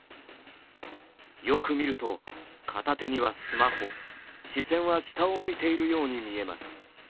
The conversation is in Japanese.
よく見ると片手にはスマホ、視線は下を向いているように見えます。